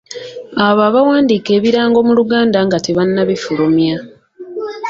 Abo abawandiika ebirango mu Luganda nga tebannabifulumya.